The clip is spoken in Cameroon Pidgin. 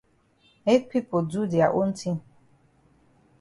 Make pipo do dia own tin.